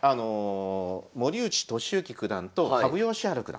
森内俊之九段と羽生善治九段。